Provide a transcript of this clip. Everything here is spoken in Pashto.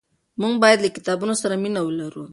موږ باید له کتابونو سره مینه ولرو.